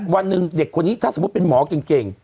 วันหนึ่งเด็กคนนี้ถ้าสมมุติเป็นหมอเก่ง